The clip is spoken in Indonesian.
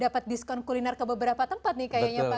maka itu bisa kita turunkan ke beberapa tempat nih kayaknya pak